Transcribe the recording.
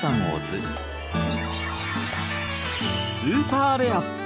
スーパーレア！